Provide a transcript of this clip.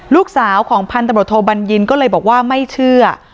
ลูกสาวของพันธบทโทบัญญินก็เลยบอกว่าไม่เชื่อ